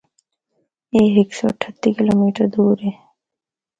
اے ہک سو اٹھتی کلومیڑ دور اے۔